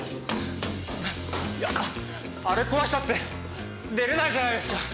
あれ壊したって出れないじゃないですか。